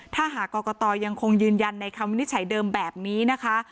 ถ้าหากกตยังคงยืนยันในคำวินิจฉัยเดิมแบบนี้นะคะ